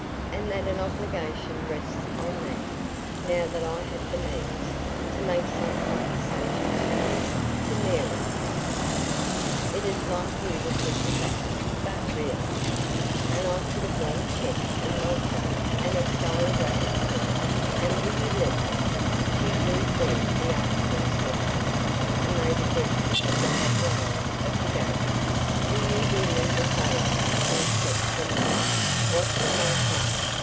"And that an obligation rests on me, now that I have the means, to make some compensation to you to Mary, rather." "It is like you to think of that. But really " "And I put a blank cheque in my pocket, and a stylographic pen and will you let me" she drew forth the articles mentioned, and made a desk of the top rail of the gate "will you do me the favour to accept from me what shall I say?